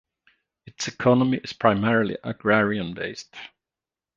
Its economy is primarily agrarian-based.